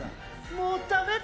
もうダメだ。